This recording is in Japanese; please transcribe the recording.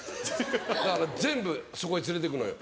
だから全部そこへ連れてくのよ。